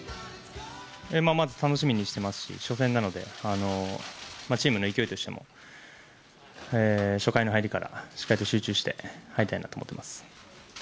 まず楽しみにしてますし初戦なので、チームの勢いとしても初回の入りからしっかりと集中して入りたいなと思ってます。